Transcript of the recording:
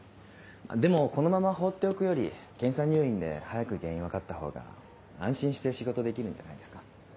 でもこのまま放っておくより検査入院で早く原因分かったほうが安心して仕事できるんじゃないですか？